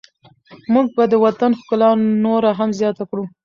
موږ به د وطن ښکلا نوره هم زیاته کړو.